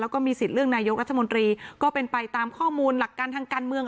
แล้วก็มีสิทธิ์เลือกนายกรัฐมนตรีก็เป็นไปตามข้อมูลหลักการทางการเมือง